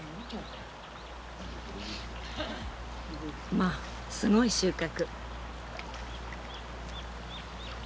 まあすごい収穫！